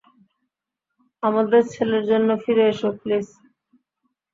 আমাদের ছেলের জন্য ফিরে এসো, প্লিজ।